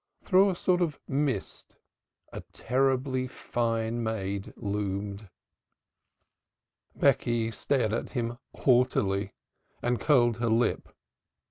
Through a sort of mist a terribly fine maid loomed. Becky stared at him haughtily and curled her lip.